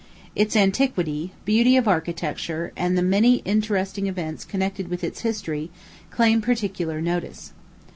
Its antiquity, beauty of architecture, and the many interesting events connected with its history, claim particular notice.